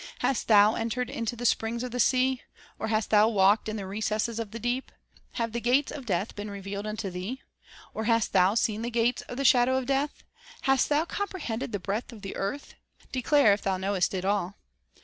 ..." Hast thou entered into the springs of the sea? Or hast thou walked in the recesses of the deep? Have the gates of death been revealed unto thee ? Or hast thou seen the gates of the shadow of death ? Hast thou comprehended the breadth of the earth ? Declare, if thou knowest it all.